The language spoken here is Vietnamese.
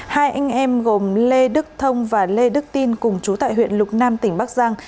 hai anh em gồm lê đức thông và lê đức tin cùng chú tại huyện lục nam tỉnh bắc giang